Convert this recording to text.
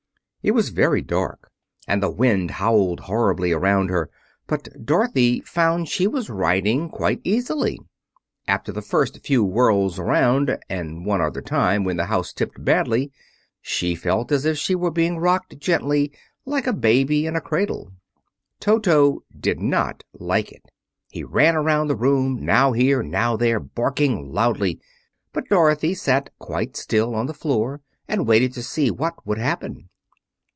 It was very dark, and the wind howled horribly around her, but Dorothy found she was riding quite easily. After the first few whirls around, and one other time when the house tipped badly, she felt as if she were being rocked gently, like a baby in a cradle. Toto did not like it. He ran about the room, now here, now there, barking loudly; but Dorothy sat quite still on the floor and waited to see what would happen.